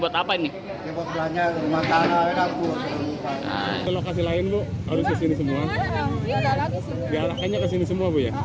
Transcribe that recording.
udah setengah jam